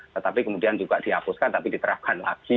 tetapi kemudian juga dihapuskan tapi diterapkan lagi